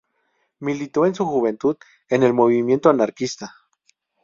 Militó en su juventud en el movimiento anarquista.